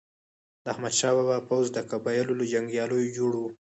د احمد شاه بابا پوځ د قبایلو له جنګیالیو جوړ و.